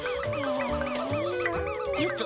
よっと！